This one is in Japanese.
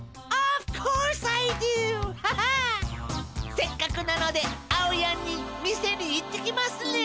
せっかくなのであおやんに見せにいってきますね。